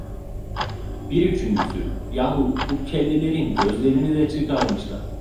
Bir üçüncüsü: "Yahu, bu kellelerin gözlerini de çıkarmışlar!"